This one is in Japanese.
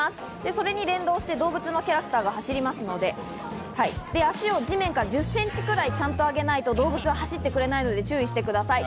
それに連動して動物のキャラクターが走りますので、足を地面から１０センチくらいちゃんとあげないと動物は走ってくれないので注意してください。